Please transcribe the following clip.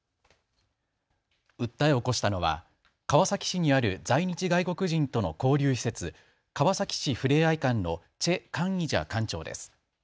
訴えを起こしたのは川崎市にある在日外国人との交流施設、川崎市ふれあい館の崔江以子館長です。